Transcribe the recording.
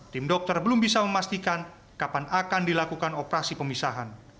tim dokter belum bisa memastikan kapan akan dilakukan operasi pemisahan